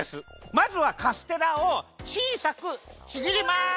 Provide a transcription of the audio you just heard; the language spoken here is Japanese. まずはカステラをちいさくちぎります！